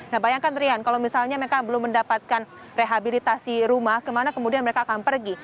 nah bayangkan rian kalau misalnya mereka belum mendapatkan rehabilitasi rumah kemana kemudian mereka akan pergi